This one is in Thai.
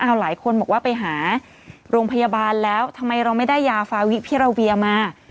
เอาหลายคนบอกว่าไปหาโรงพยาบาลแล้วทำไมเราไม่ได้ยาฟาวิพิราเวียมา